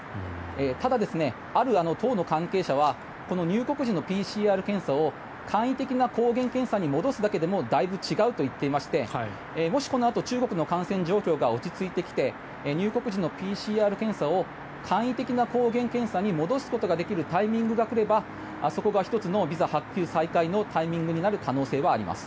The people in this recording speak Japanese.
ただ、ある党の関係者は入国時のＰＣＲ検査を簡易的な抗原検査に戻すだけでもだいぶ違うといっていましてもしこのあと中国の感染状況が落ち着いてきて入国時のＰＣＲ検査を簡易的な抗原検査に戻すことができるタイミングが来ればそこが１つのビザ発給再開のタイミングになる可能性はあります。